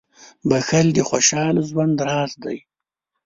• بښل د خوشحال ژوند راز دی.